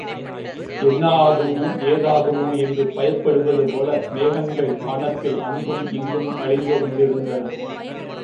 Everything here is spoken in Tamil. என்ன ஆகுமோ, ஏதாகுமோ என்று பயப்படுவதுபோல, மேகங்கள் வானத்தில் அங்குமிங்கும் அலைந்துகொண்டிருந்தன.